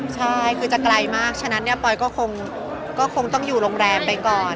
ใช่คือจะไกลมากฉะนั้นเนี่ยปอยก็คงต้องอยู่โรงแรมไปก่อน